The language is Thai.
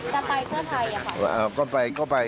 จะไปเพื่อไทยหรือครับ